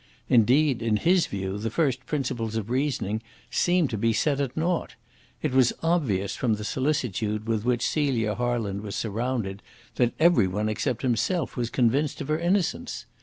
Indeed, in his view the first principles of reasoning seemed to be set at naught. It was obvious from the solicitude with which Celia Harland was surrounded that every one except himself was convinced of her innocence.